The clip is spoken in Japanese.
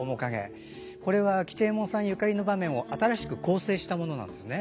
これは吉右衛門さんゆかりの場面を新しく構成したものなんですね。